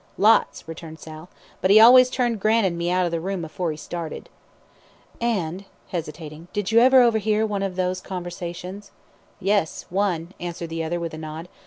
"Lots," returned Sal; "but he always turned Gran' an' me out of the room afore he started." "And" hesitating "did you ever overhear one of these conversations?" "Yes one," answered the other, with a nod.